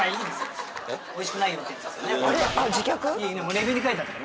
レビューに書いてあったから。